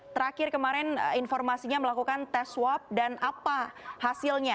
terakhir kemarin informasinya melakukan tes swab dan apa hasilnya